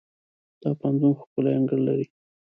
دا پوهنتون ښکلی انګړ لري.